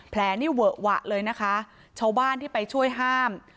แผลนี่เวอะหวะเลยนะคะชาวบ้านที่ไปช่วยห้าม